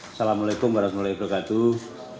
assalamu'alaikum warahmatullahi wabarakatuh